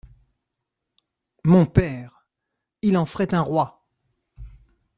Mon père !… il en ferait un roi !…